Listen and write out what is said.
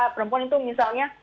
perempuan itu misalnya